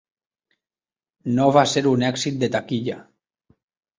No va ser un èxit de taquilla.